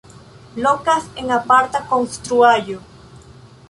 Lokas en aparta konstruaĵo.